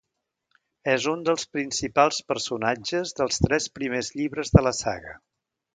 És un dels principals personatges dels tres primers llibres de la saga.